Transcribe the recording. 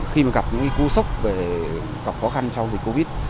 khi mà gặp những cú sốc về gặp khó khăn trong dịch covid